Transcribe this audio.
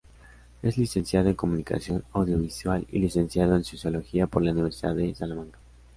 Es licenciado en Comunicación Audiovisual y licenciado en Sociología por la Universidad de Salamanca.